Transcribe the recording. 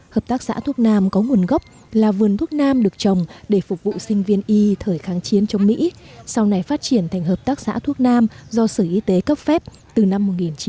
hợp tác xã thuốc nam có nguồn gốc là vườn thuốc nam được trồng để phục vụ sinh viên y thời kháng chiến chống mỹ sau này phát triển thành hợp tác xã thuốc nam do sở y tế cấp phép từ năm một nghìn chín trăm tám mươi